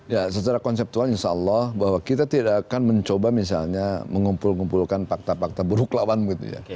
ya secara konseptual insya allah bahwa kita tidak akan mencoba misalnya mengumpul ngumpulkan fakta fakta buruk lawan gitu ya